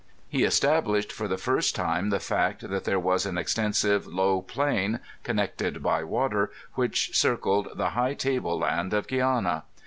He established for the first time the fact that there was an extensive low plain, connected by water, which circled the high table land of Gtuiana.